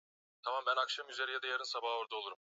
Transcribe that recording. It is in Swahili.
Haja ya moyo wangu ni wewe.